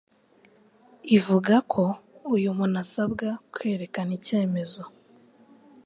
ivuga ko uyu muntu asabwa kwerekana Icyemezo